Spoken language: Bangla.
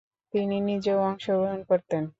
তিনি নিজেও অংশগ্রহণ করতেন।